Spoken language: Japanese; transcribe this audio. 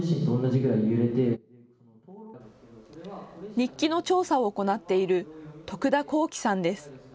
日記の調査を行っている徳田光希さんです。